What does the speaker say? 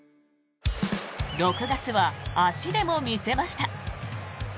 ６月は足でも見せました。